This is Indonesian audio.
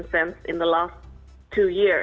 dalam dua tahun terakhir